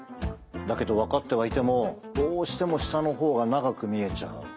だけど分かってはいてもどうしても下の方が長く見えちゃう。